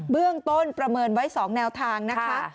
เบื้องต้นประเมินไว้๒แนวทางนะคะ